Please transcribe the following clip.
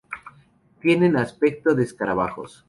Tienen aspecto de escarabajos.